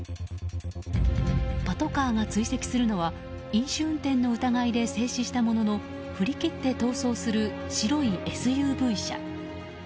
パトカーが追跡するのは飲酒運転の疑いで静止したものの振り切って逃走する白いＳＵＶ車。